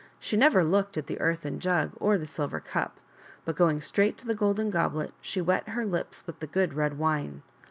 She never looked at the earthen jug or the silver cup, but going straight to the golden goblet she wet her lips with the good red wine.